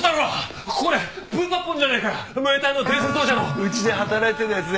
うちで働いてた奴ね